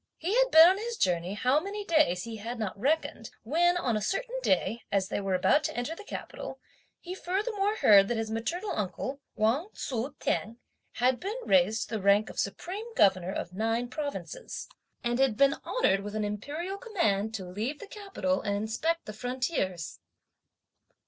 He had been on his journey how many days, he had not reckoned, when, on a certain day, as they were about to enter the capital, he furthermore heard that his maternal uncle, Wang Tzu t'eng, had been raised to the rank of Supreme Governor of nine provinces, and had been honoured with an Imperial command to leave the capital and inspect the frontiers.